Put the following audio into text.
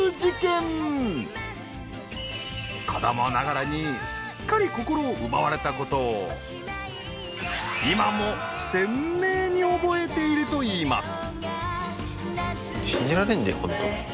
子どもながらにすっかり心を奪われた事を今も鮮明に覚えているといいます。